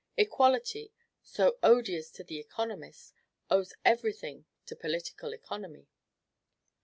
Equality, so odious to the economist, owes every thing to political economy.